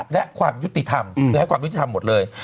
และความยุติธรรมคือให้ความยุติธรรมหมดเลย